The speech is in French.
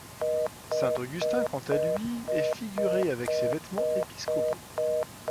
Saint Augustin quant à lui est figuré avec ses vêtements épiscopaux.